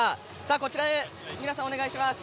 こちらへ、皆さんお願いします。